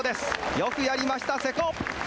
よくやりました、瀬古。